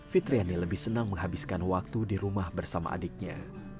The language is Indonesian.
fitriani lebih senang menghabiskan waktu di rumah bersama adiknya